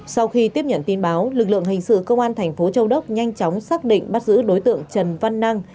sau khi tiếp nhận tin báo lực lượng hình sự công an thành phố châu đốc nhanh chóng xác định bắt giữ đối tượng trần văn năng